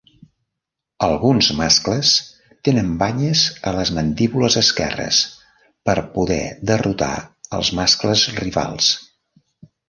Alguns mascles tenen banyes a les mandíbules esquerres per poder derrotar els mascles rivals.